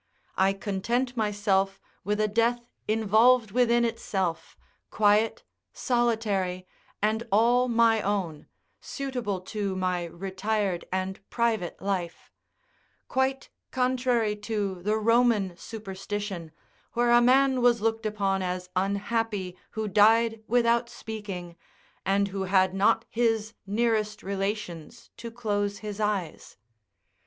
I content myself with a death involved within itself, quiet, solitary, and all my own, suitable to my retired and private life; quite contrary to the Roman superstition, where a man was looked upon as unhappy who died without speaking, and who had not his nearest relations to close his eyes.